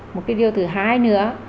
một điều thứ hai nữa